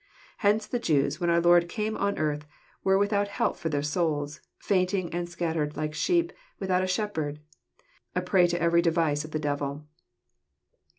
Hence the Jews, when our Lord came on earth, were without help for their souls, fainting and scattered like sheep without a shepherd, a prey to every device of the devil.